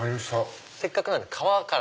せっかくなんで皮から。